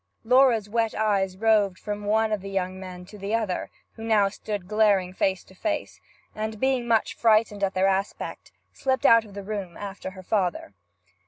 Laura's wet eyes roved from one of the young men to the other, who now stood glaring face to face, and, being much frightened at their aspect, slipped out of the room after her father.